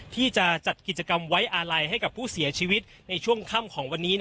ที่จะจัดกิจกรรมไว้อาลัยให้กับผู้เสียชีวิตในช่วงค่ำของวันนี้